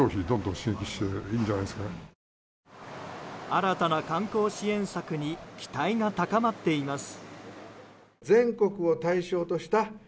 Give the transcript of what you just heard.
新たな観光支援策に期待が高まっています。